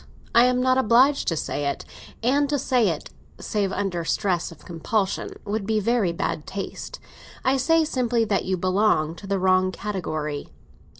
I am not obliged to say it; and to say it, save under stress of compulsion, would be very bad taste. I say simply that you belong to the wrong category."